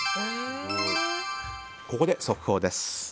ここで速報です。